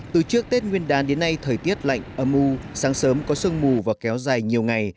từ trước tết nguyên đàn đến nay thời tiết lạnh ấm u sáng sớm có sương mù và kéo dài nhiều ngày